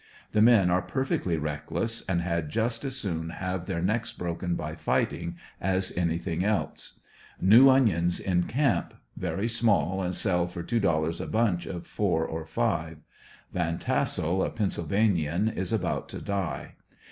The men are perfectly reckless, and i^ad just as soon have their necks broken by fighting as anything else. New onions in camp. Very small, and sell for $3 a bunch of four or five. Van Tassel, a Pennsylvanian, is about to die.